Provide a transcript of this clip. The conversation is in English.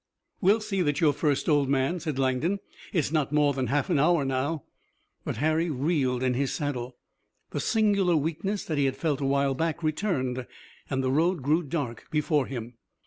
"We'll see that you're first old man," said Langdon. "It's not more than a half hour now." But Harry reeled in his saddle. The singular weakness that he had felt a while back returned, and the road grew dark before him.